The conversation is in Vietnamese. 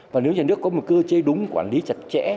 và nếu nhà nước có một cơ chế đúng quản lý chặt chẽ